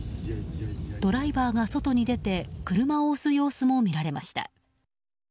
ドライバーが外に出て車を押す様子も見られました。